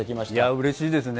うれしいですね。